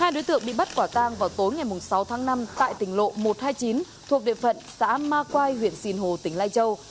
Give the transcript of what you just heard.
hai đối tượng bị bắt quả tang vào tối ngày sáu tháng năm tại tỉnh lộ một trăm hai mươi chín thuộc địa phận xã ma quai huyện sìn hồ tỉnh lai châu